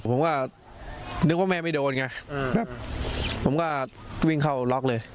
ผมก็นึกว่าแม่ไม่ชัดผมก็วิ่งเขารอล็อคเลย